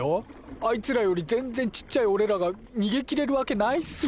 あいつらよりぜんぜんちっちゃいおれらがにげきれるわけないっすよ。